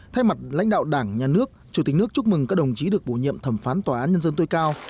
thay mặt lãnh đạo đảng nhà nước chủ tịch nước chúc mừng các đồng chí được bổ nhiệm thẩm phán tòa án nhân dân tối cao